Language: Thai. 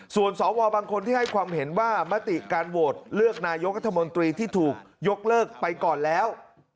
ส่วนสวบางคนที่ให้ความเห็นว่ามติการโหวตเลือกนายกรัฐมนตรีที่ถูกยกเลิกไปก่อนแล้ว